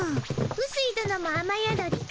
うすいどのも雨宿りか？